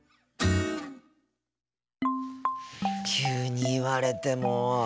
急に言われても。